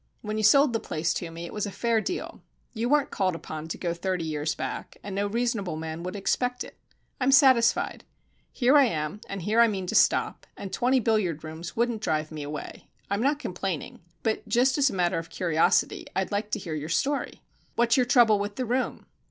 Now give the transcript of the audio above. "When you sold the place to me it was a fair deal. You weren't called upon to go thirty years back, and no reasonable man would expect it. I'm satisfied. Here I am, and here I mean to stop, and twenty billiard rooms wouldn't drive me away. I'm not complaining. But, just as a matter of curiosity, I'd like to hear your story." "What's your trouble with the room?"